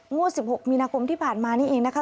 งวด๑๖มีนาคมที่ผ่านมานี่เองนะคะ